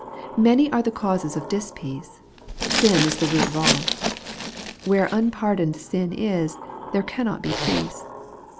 Many are the causes of dispeace ; sin is the root of alL Where unpardoned sin is, there cannot be peace.